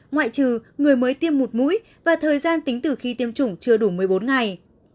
ngoại trừ người mới tiêm một mũi và thời gian tính từ khi tiêm chủng chưa đủ một mươi bốn ngày